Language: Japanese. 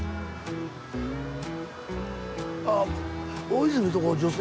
あっ大泉のとこ女性？